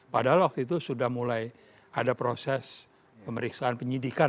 padahal waktu itu sudah mulai ada proses pemeriksaan penyidikan